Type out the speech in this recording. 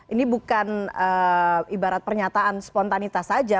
ini bukan ibarat pernyataan spontanitas saja